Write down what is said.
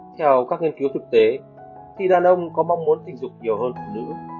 theo các nghiên cứu thực tế thì đàn ông có mong muốn tình dục nhiều hơn phụ nữ